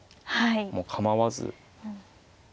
もう構わず。